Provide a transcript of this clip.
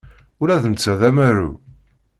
Ula d netta d amaru.